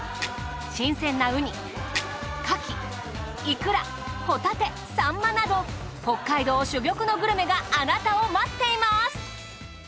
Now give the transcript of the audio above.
新鮮なウニカキイクラホタテサンマなど北海道珠玉のグルメがあなたを待っています。